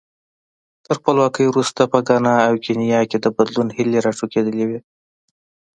تر خپلواکۍ وروسته په ګانا او کینیا کې د بدلون هیلې راټوکېدلې وې.